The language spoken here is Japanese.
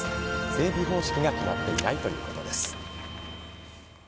整備方式が決まっていないということです。